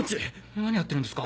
何やってるんですか？